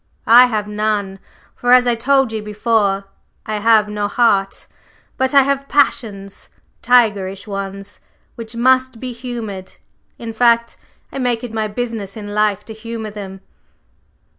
I have none; for as I told you before, I have no heart, but I have passions tigerish ones which must be humored; in fact, I make it my business in life to humor them."